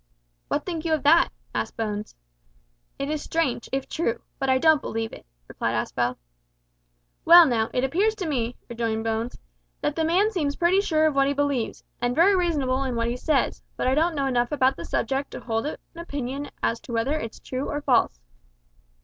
"What think you of that?" asked Bones. "It is strange, if true but I don't believe it," replied Aspel. "Well now, it appears to me," rejoined Bones, "that the man seems pretty sure of what he believes, and very reasonable in what he says, but I don't know enough about the subject to hold an opinion as to whether it's true or false."